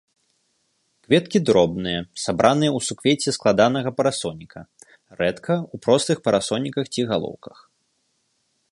Кветкі дробныя, сабраныя ў суквецці складанага парасоніка, рэдка ў простых парасоніках ці галоўках.